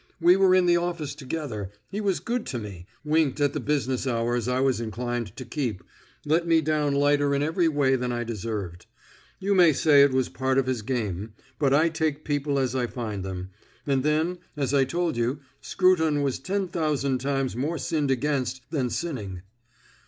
"We were in the office together; he was good to me, winked at the business hours I was inclined to keep, let me down lighter in every way than I deserved. You may say it was part of his game. But I take people as I find them. And then, as I told you, Scruton was ten thousand times more sinned against than sinning."